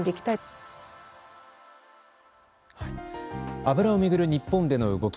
油を巡る日本での動き